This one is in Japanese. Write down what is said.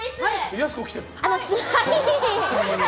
やす子来てる！